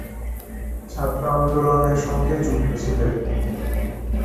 ছাত্র আন্দোলনের সঙ্গে যুক্ত ছিলেন।